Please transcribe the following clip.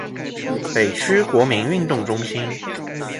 北区国民运动中心